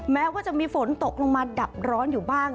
แม้ว่าจะมีฝนตกลงมาดับร้อนอยู่บ้าง